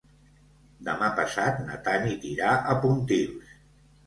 Demà passat na Tanit irà a Pontils.